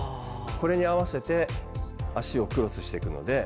これに合わせて脚をクロスしていくので。